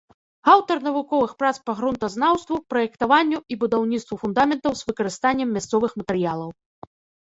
Аўтар навуковых прац па грунтазнаўству, праектаванню і будаўніцтву фундаментаў з выкарыстаннем мясцовых матэрыялаў.